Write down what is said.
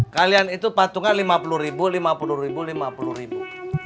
kalian itu patungan lima puluh ribu lima puluh ribu lima puluh ribu